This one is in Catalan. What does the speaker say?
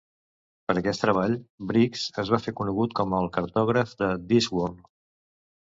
Per aquest treball, Briggs es va fer conegut com el cartògraf de Discworld.